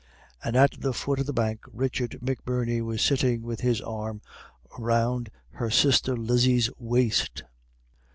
And at the foot of the bank Richard McBirney was sitting with his arm round her sister Lizzie's waist.